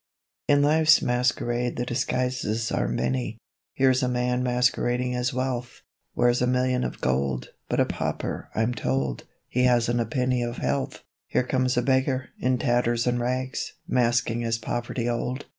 In Life's masquerade the disguises are many: Here's a man masquerading as Wealth, Wears a million of gold, But a pauper, I'm told, He hasn't a penny of health. Here comes a Beggar, in tatters and rags, Masking as Poverty old.